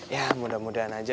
ya mudah mudahan aja